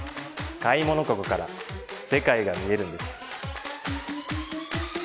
買い物カゴから世界が見えるんです。